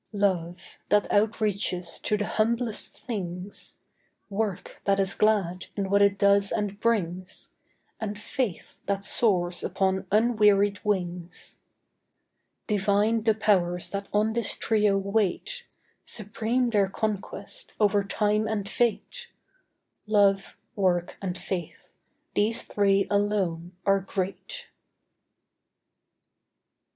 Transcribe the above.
Love, that outreaches to the humblest things; Work that is glad, in what it does and brings; And faith that soars upon unwearied wings. Divine the Powers that on this trio wait. Supreme their conquest, over Time and Fate. Love, Work, and Faith—these three alone are great.